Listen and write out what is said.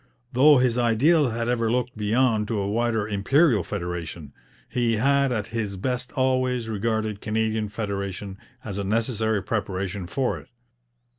Though his ideal had ever looked beyond to a wider Imperial federation, he had at his best always regarded Canadian federation as a necessary preparation for it.